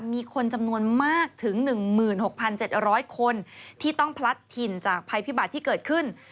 มีคนจำนวนมากถึง๑๖๗๐๐คนที่ต้องพลัดถิ่นจากภัยพิบัติที่เกิดขึ้น